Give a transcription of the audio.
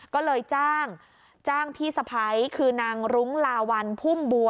ก็เลยจ้างจ้างพี่สะพ้ายคือนางรุ้งลาวัลพุ่มบัว